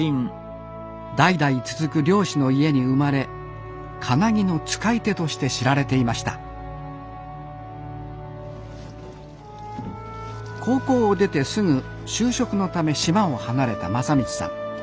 代々続く漁師の家に生まれかなぎの使い手として知られていました高校を出てすぐ就職のため島を離れた正道さん。